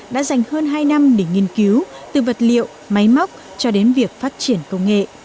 đã dành hơn hai năm để nghiên cứu từ vật liệu máy móc cho đến việc phát triển công nghệ